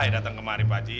datang kemari pak ji